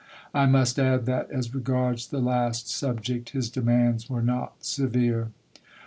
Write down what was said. I must add that, as regards the last subject, his demands were not severe.